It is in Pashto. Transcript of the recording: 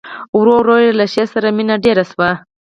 ورو ورو یې له شعر سره مینه ډېره شوه